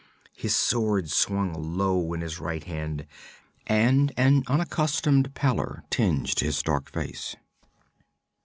His sword swung low in his right hand, and an unaccustomed pallor tinged his dark face.